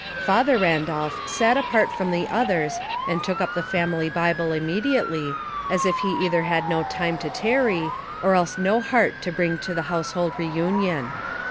Father Randolph sat apart from the others and tooK up the family Bible immediately, as if ho either had no time to tarry, or else no heart to bring to the household reunion.